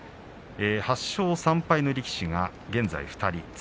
８勝３敗の力士が現在２人です。